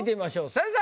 先生！